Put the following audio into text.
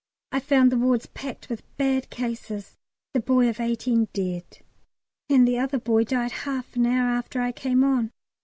I found the wards packed with bad cases, the boy of 18 dead, and the other boy died half an hour after I came on.